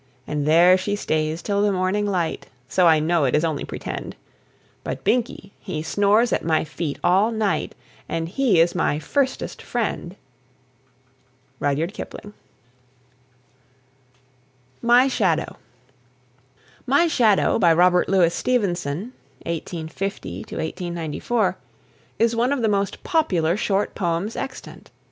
And there she stays till the morning light; So I know it is only pretend; But Binkie, he snores at my feet all night, And he is my Firstest Friend! RUDYARD KIPLING. (In "The Just So Stories.") MY SHADOW. "My Shadow," by Robert Louis Stevenson (1850 94), is one of the most popular short poems extant.